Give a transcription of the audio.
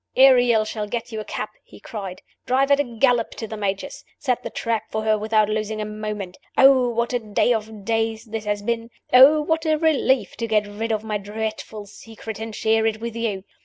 "Ariel shall get you a cab!" he cried. "Drive at a gallop to the Major's. Set the trap for her without losing a moment. Oh, what a day of days this has been! Oh, what a relief to get rid of my dreadful secret, and share it with You!